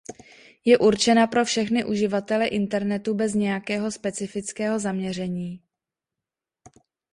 Je určena pro všechny uživatele internetu bez nějakého specifického zaměření.